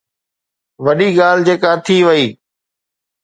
وڏي ڳالهه جيڪا ٿي وئي.